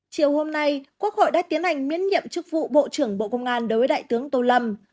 chiều hôm nay quốc hội đã tiến hành miễn nhiệm chức vụ bộ trưởng bộ công an đối với đại tướng tô lâm